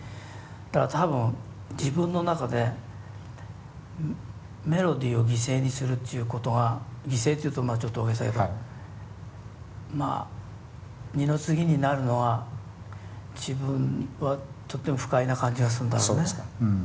だから多分自分の中でメロディーを犠牲にするっていうことは犠牲って言うとちょっと大げさだけどまあ二の次になるのは自分はとっても不快な感じがするんだろうね。